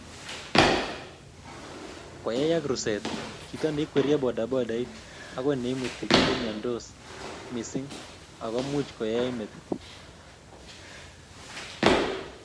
koyayak ruset, chito neikwerie bodabodait ago neimuti koumiansot missing ago much koyeeei metit